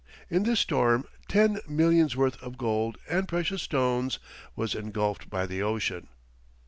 In this storm ten millions' worth of gold and precious stones was engulfed by the ocean.